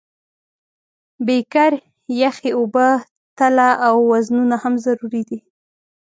بیکر، یخې اوبه، تله او وزنونه هم ضروري دي.